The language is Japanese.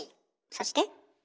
そして？